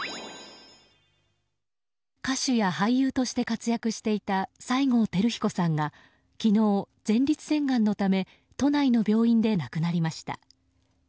歌手や俳優として活躍していた西郷輝彦さんが昨日、前立腺がんのため都内の病院で亡くなりました。